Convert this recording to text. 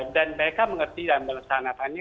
dan mereka mengerti dan melesanakannya